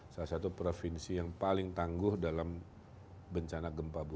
salah satu provinsi yang paling tangguh dalam bencana gempa bumi